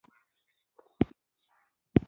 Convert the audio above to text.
د کلکې همکارۍ سمبول باید وي.